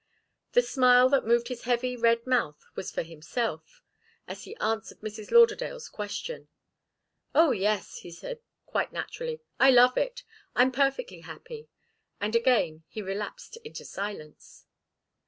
The smile that moved his heavy, red mouth was for himself, as he answered Mrs. Lauderdale's question. "Oh, yes," he said, quite naturally. "I love it. I'm perfectly happy." And again he relapsed into silence.